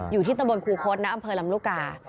อยู่ที่ตะบนครูคดนะอำเภอลำลูกกา